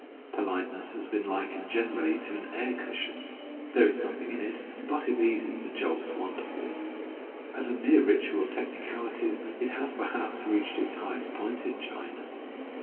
Politeness has been likened generally to an air cushion. There is nothing in it, but it eases the jolts wonderfully. As a mere ritual of technicalities it has perhaps reached its highest point in China.